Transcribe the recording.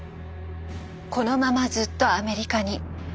このままずっとアメリカに。